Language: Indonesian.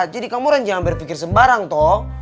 kamu orang jangan berpikir sembarang toh